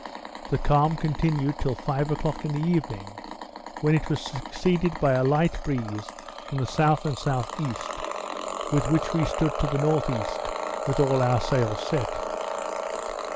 The calm continued till five o'clock in the evening, when it was succeeded by a light breeze from the S. and S.E., with which we stood to the N.E. with all our sails set.